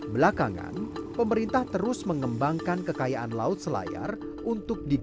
belakangan pemerintah terus mengembangkan kekayaan laut selayar untuk dikawa